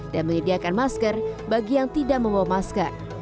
dan menyediakan masker bagi yang tidak membawa masker